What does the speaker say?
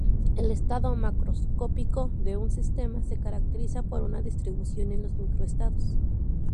El estado macroscópico de un sistema se caracteriza por una distribución en los microestados.